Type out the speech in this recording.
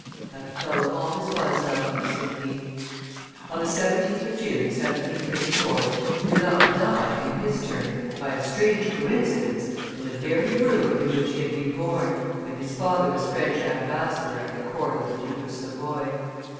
"That fellow always was lucky," said he. On the 17th of June, 1734, Villars died, in his turn, by a strange coincidence in the very room in which he had been born when his father was French ambassador at the court of the Duke of Savoy.